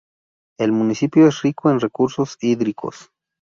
El municipio es rico en recursos hídricos.